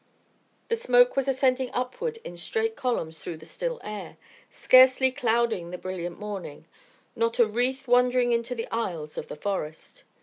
The smoke was ascending upward in straight columns through the still air, scarcely clouding the brilliant morning, not a wreath wandering into the aisles of the forest.